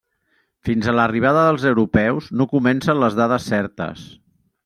Fins a l'arribada dels europeus no comencen les dades certes.